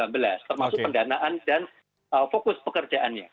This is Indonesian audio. termasuk pendanaan dan fokus pekerjaannya